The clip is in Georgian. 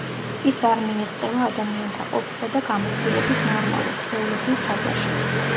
ის არ მიიღწევა ადამიანთა ყოფისა და გამოცდილების ნორმალურ, ჩვეულებრივ ფაზაში.